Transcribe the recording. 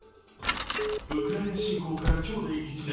ウクライナ侵攻から今日で１年。